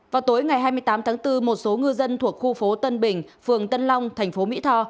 vào tối ngày hai mươi tám tháng bốn một số ngư dân thuộc khu phố tân bình phường tân long thành phố mỹ tho